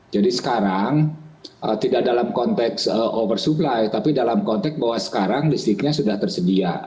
sekarang tidak dalam konteks oversupply tapi dalam konteks bahwa sekarang listriknya sudah tersedia